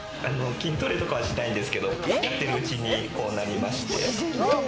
筋トレとかはしないんですけど、〇〇やってるうちにこうなりまして。